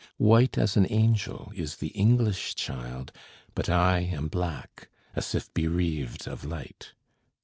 White as an angel is the English child, But I am black, as if bereaved of light.